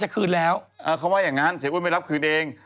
เขาพยายามจะคืนแล้ว